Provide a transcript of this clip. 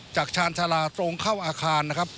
จากชาญภาราตรงเข้าอาคาร